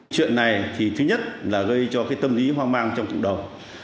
chuyện này thì thứ nhất là gây cho tâm lý hoang mang trong cộng đồng